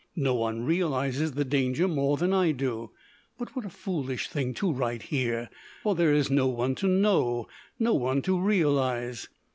No one realises the danger more than I do. But what a foolish thing to write here for there is no one to know, no one to realize!